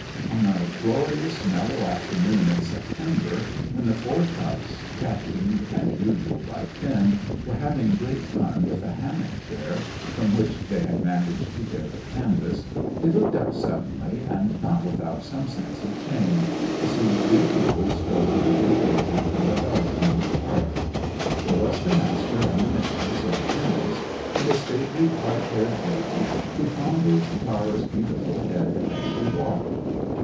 On a glorious mellow afternoon in September, when the four pups, captained as usual by Finn, were having great fun with a hammock chair, from which they had managed to tear the canvas, they looked up suddenly, and not without some sense of shame, to see three people strolling into the orchard from the garden with Tara. There was the Master and the Mistress of the Kennels and a stately, white haired lady, who fondled Tara's beautiful head as she walked.